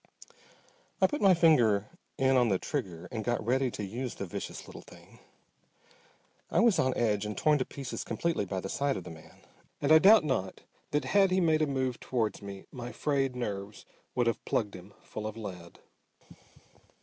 I put my finger in on the trigger and got ready to use the vicious little thing. I was on edge and torn to pieces completely by the sight of the man, and I doubt not that had he made a move towards me my frayed nerves would have plugged him full of lead.